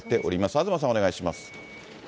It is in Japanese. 東さん、お願いします。